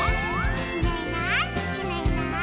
「いないいないいないいない」